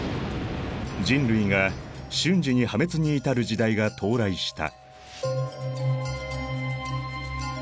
人類が瞬時に破滅に至る時代が到来した。